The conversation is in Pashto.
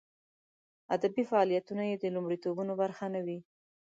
ادبي فعالیتونه یې د لومړیتوبونو برخه نه وي.